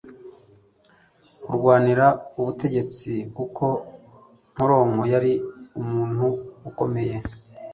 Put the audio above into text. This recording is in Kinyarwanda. kurwanira ubutegetsi kuko Nkoronko yari umuntu akomeye